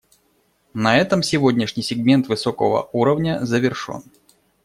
На этом сегодняшний сегмент высокого уровня завершен.